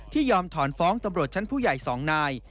ยอมถอนฟ้องตำรวจชั้นผู้ใหญ่๒นาย